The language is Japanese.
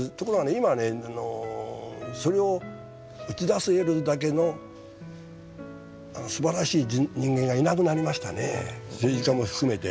今それを打ち出せるだけのすばらしい人間がいなくなりましたね政治家も含めて。